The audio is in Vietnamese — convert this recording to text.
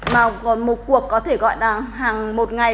mà còn một cuộc có thể gọi là hàng một ngày